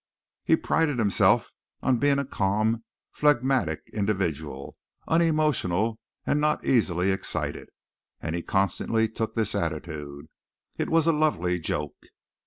He prided himself on being a calm, phlegmatic individual, unemotional and not easily excited, and he constantly took this attitude. It was a lovely joke.